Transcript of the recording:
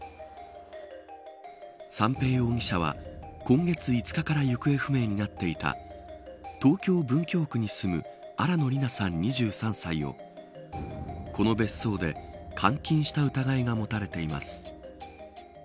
三瓶容疑者は今月５日から行方不明になっていた東京、文京区に住む新野りなさん、２３歳をこの別荘で監禁した疑いが持たれています。